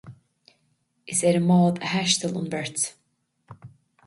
Is ar an mbád a thaistil an bheirt.